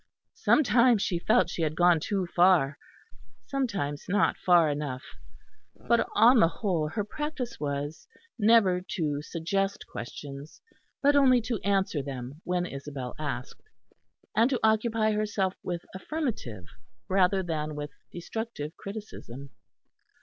Sometimes she felt she had gone too far, sometimes not far enough; but on the whole her practice was never to suggest questions, but only to answer them when Isabel asked; and to occupy herself with affirmative rather than with destructive criticism.